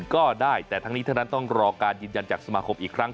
ก็ได้แต่ทั้งนี้ทั้งนั้นต้องรอการยืนยันจากสมาคมอีกครั้ง